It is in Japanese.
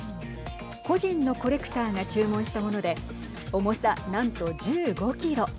個人のコレクターが注文したもので重さ、何と１５キロ。